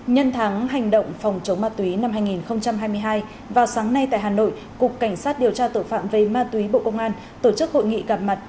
nhân tháng hành động phòng chống ma túy năm hai nghìn hai mươi hai vào sáng nay tại hà nội cục cảnh sát điều tra tội phạm về ma túy bộ công an tổ chức hội nghị gặp mặt